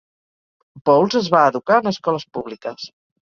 Bowles es va educar en escoles públiques.